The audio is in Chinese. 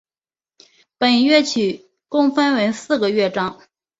本乐曲共分为四个乐章。